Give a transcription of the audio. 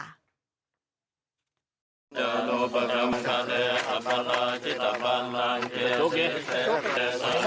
วันตะนอยเยวังตะวังพิชยะหอยเยชยะ